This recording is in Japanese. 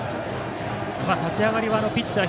立ち上がりはピッチャー